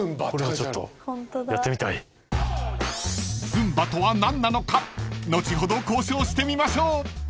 ［ズンバとは何なのか後ほど交渉してみましょう］